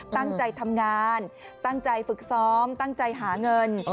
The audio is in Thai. ตั้งใจทำงานตั้งใจฝึกซ้อมตั้งใจหาเงิน